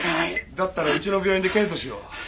だったらうちの病院で検査しよう。